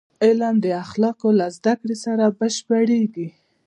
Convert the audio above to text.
علم د اخلاقو له زدهکړې سره بشپړېږي.